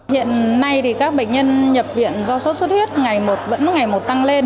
hiện nay các bệnh nhân nhập viện do sốt sốt huyết vẫn ngày một tăng lên